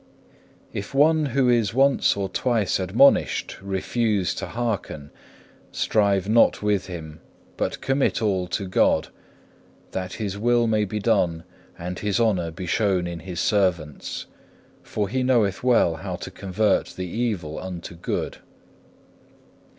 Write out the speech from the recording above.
2. If one who is once or twice admonished refuse to hearken, strive not with him, but commit all to God, that His will may be done and His honour be shown in His servants, for He knoweth well how to convert the evil unto good.